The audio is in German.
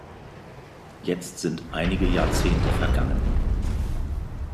Jetzt sind einige Jahrzehnte vergangen.